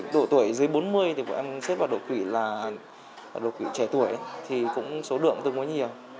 đổi tuổi dưới bốn mươi em xếp vào đột quỵ trẻ tuổi số lượng tương có nhiều